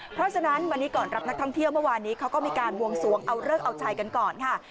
เพราะฉะนั้นวันนี้ก่อนรับนักท่องเที่ยวเมื่อวานนี้เขาก็มีการบวงสวงเอาเลิกเอาชัยกันก่อนค่ะ